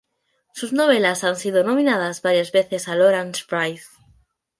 Sus novelas han sido nominadas varias veces al Orange Prize.